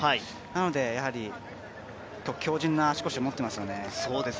なのでやはり、強じんな足腰を持っていますよね。